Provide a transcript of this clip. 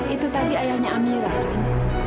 itu tadi ayahnya amira kan